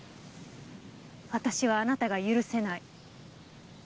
私はあなたが許せない。